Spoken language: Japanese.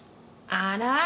あら？